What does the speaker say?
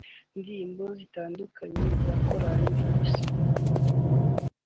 Indirimbo zitandukanye za Korali vers sion